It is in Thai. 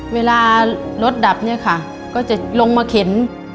เวลารถดับเนี่ยค่ะก็จะลงมาเข็น